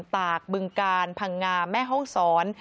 ตากบึงกาลพังงาแม่ห้องศร